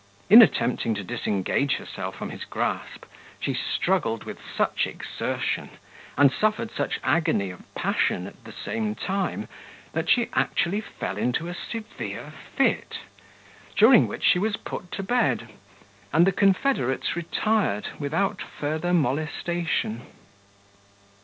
In attempting to disengage herself from his grasp, she struggled with such exertion, and suffered such agony of passion at the same time, that she actually fell into a severe fit, during which she was put to bed, and the confederates retired without further molestation.